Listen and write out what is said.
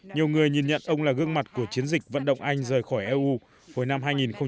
nhiều người nhìn nhận ông là gương mặt của chiến dịch vận động anh rời khỏi eu hồi năm hai nghìn một mươi